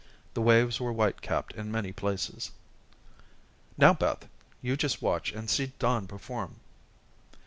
The waves were white capped in many places. "Now, Beth, you just watch and see Don perform."